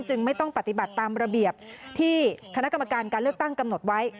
ไม่ต้องปฏิบัติตามระเบียบที่คณะกรรมการการเลือกตั้งกำหนดไว้